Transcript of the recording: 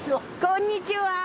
こんにちは。